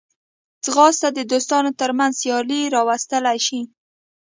ځغاسته د دوستانو ترمنځ سیالي راوستلی شي